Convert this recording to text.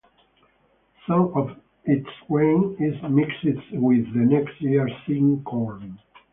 Some of its grain is mixed with the next year's seed corn.